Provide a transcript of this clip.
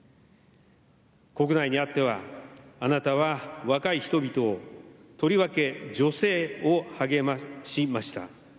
国内にあってはあなたは若い人々をとりわけ女性を励ましました。